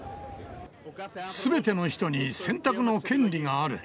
すべての人に選択の権利がある。